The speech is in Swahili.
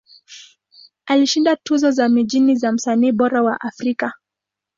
Alishinda tuzo za mijini za Msanii Bora wa Afrika.